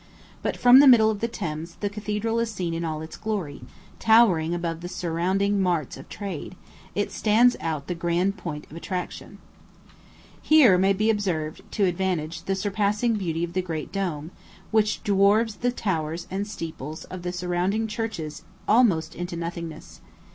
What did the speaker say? But from the middle of the Thames, the cathedral is seen in all its glory; towering above the surrounding marts of trade, it stands out the grand point of attraction. [Illustration: St. Paul's Cathedral.] Here may be observed, to advantage, the surpassing beauty of the great dome, which dwarfs the towers and steeples of the surrounding churches almost into nothingness.